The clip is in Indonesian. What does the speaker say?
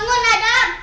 sini sini adam